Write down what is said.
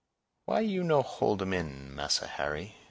"Why you no hold 'em in, Massa Henry?"